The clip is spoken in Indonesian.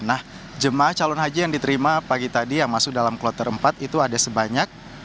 nah jemaah calon haji yang diterima pagi tadi yang masuk dalam kloter empat itu ada sebanyak